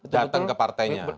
datang ke partainya